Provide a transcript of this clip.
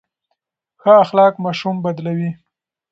ښه اخلاق ماشوم بدلوي.